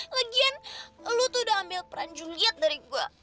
lagian lu tuh udah ambil peran juliet dari gue